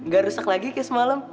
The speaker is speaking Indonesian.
gak rusak lagi kayak semalam